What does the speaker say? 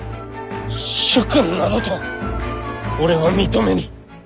主君などと俺は認めぬ。